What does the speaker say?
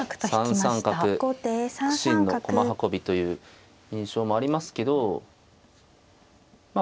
３三角苦心の駒運びという印象もありますけどまあ